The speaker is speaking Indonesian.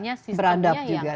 dan juga beradab juga